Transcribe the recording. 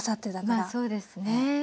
まあそうですね。